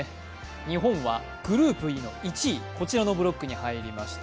日本はグループＥの１位、こちらのブロックに入りました。